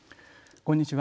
こんにちは。